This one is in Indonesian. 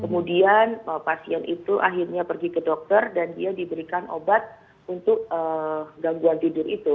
kemudian pasien itu akhirnya pergi ke dokter dan dia diberikan obat untuk gangguan tidur itu